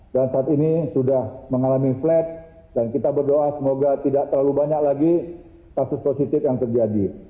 dan saat ini sudah mengalami flat dan kita berdoa semoga tidak terlalu banyak lagi kasus positif yang terjadi